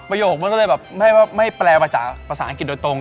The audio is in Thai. โยคมันก็เลยแบบไม่แปลมาจากภาษาอังกฤษโดยตรง